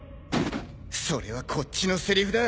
それはこっちのセリフだ。